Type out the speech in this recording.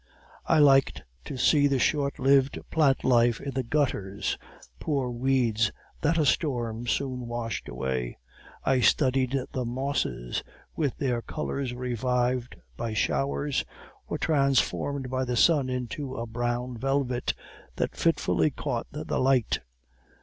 "I liked to see the short lived plant life in the gutters poor weeds that a storm soon washed away. I studied the mosses, with their colors revived by showers, or transformed by the sun into a brown velvet that fitfully caught the light.